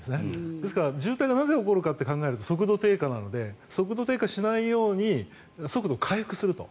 ですから渋滞がなぜ起こるかって考えると速度低下なので速度低下をしないように速度を回復すると。